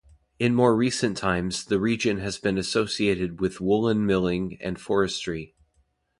In more recent times the region has been associated with woollen milling and forestry.